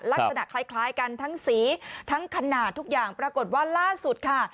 ลักษณะคล้ายกันทั้งสีทั้งขนาดทุกอย่างปรากฏว่าล่าสุดค่ะ